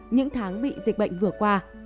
những tháng bị dịch bệnh vừa qua